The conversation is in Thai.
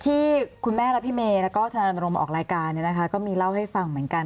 ที่คุณแม่และพี่เมย์และก็ธนรมออกรายการเนี่ยนะคะก็มีเล่าให้ฟังเหมือนกัน